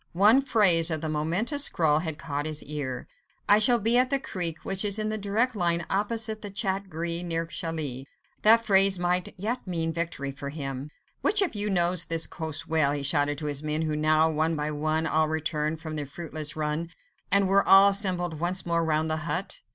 One phrase of the momentous scrawl had caught his ear. "I shall be at the creek which is in a direct line opposite the 'Chat Gris' near Calais": that phrase might yet mean victory for him. "Which of you knows this coast well?" he shouted to his men who now one by one had all returned from their fruitless run, and were all assembled once more round the hut.